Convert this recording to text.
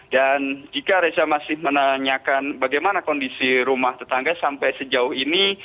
dan jika reza masih menanyakan bagaimana kondisi rumah tetangga sampai sejauh ini